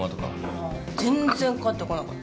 あぁ全然かかってこなかった。